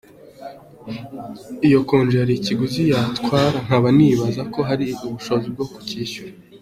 Iyo konji hari ikiguzi yatwara nkaba ntibaza ko hari ubushobozi bwo kucyishyura.